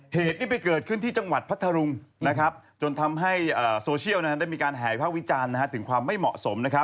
เหตุนี้ไปเกิดขึ้นที่จังหวัดพัทธรุงจนทำให้โซเชียลได้มีการแห่ภาควิจารณ์ถึงความไม่เหมาะสม